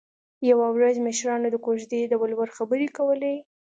یوه ورځ مشرانو د کوژدې د ولور خبرې کولې